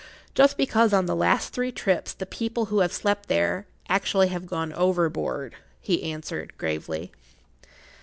"Just because on the last three trips the people who have slept there actually have gone overboard," he answered, gravely.